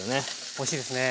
おいしいですね。